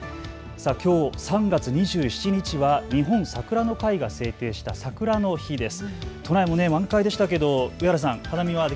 きょう３月２７日は日本さくらの会が制定したさくらの日です。